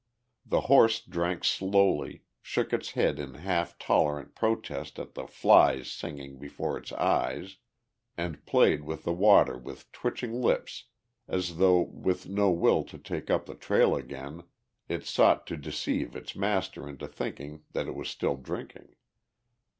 The horse drank slowly, shook its head in half tolerant protest at the flies singing before its eyes, and played with the water with twitching lips as though, with no will to take up the trail again, it sought to deceive its master into thinking that it was still drinking.